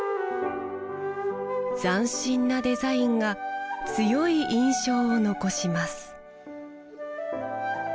斬新なデザインが強い印象を残します